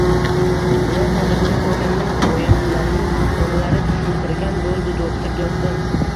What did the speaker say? Bular hozirgina ko`rganing oyimtillaning bolalari, tushuntirgan bo`ldi do`xtir do`stim